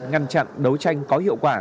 ngăn chặn đấu tranh có hiệu quả